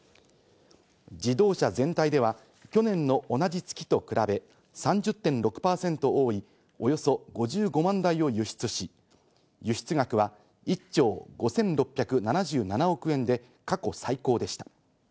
自動車全体では去年の同じ月と比べ３０．６％多いおよそ５５万台を輸出し、輸出額は１兆５６７７億円で過去最高でした。